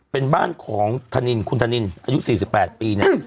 เป็นบ้านของคุณธนินอายุ๔๘ปี